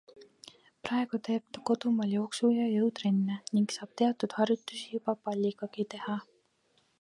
Praegu teeb ta kodumaal jooksu- ja jõutrenne ning saab teatud harjutusi juba palligagi teha.